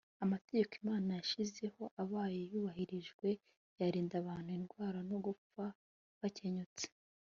amategeko imana yashyizeho abaye yubahirijwe, yarinda abantu indwara no gupfa bakenyutse